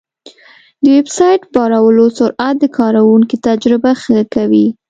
د ویب سایټ بارولو سرعت د کارونکي تجربه ښه کوي.